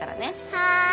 はい。